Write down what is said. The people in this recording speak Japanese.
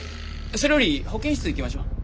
それより保健室行きましょう。